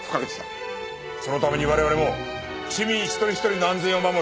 そのために我々も市民一人一人の安全を守る